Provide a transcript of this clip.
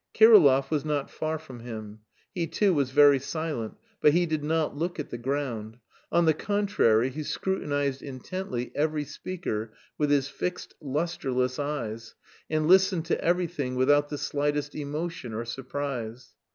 Kirillov was not far from him. He, too, was very silent, but he did not look at the ground; on the contrary, he scrutinised intently every speaker with his fixed, lustreless eyes, and listened to everything without the slightest emotion or surprise.